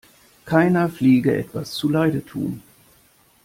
Keiner Fliege etwas zuleide tun.